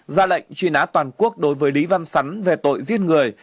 ra lệnh truy nã toàn quốc đối với lý văn sắn về tội giết người